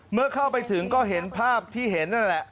เมื่อเข้าไปถึงก็เห็นภาพที่เห็นนั่นแหละ